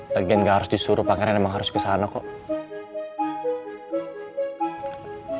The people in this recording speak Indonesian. bagian gak harus disuruh pangeran emang harus kesana kok